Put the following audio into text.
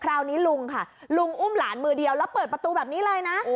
คราวนี้ลุงค่ะลุงอุ้มหลานมือเดียวแล้วเปิดประตูแบบนี้เลยนะ